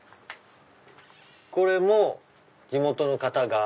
これも地元の方が。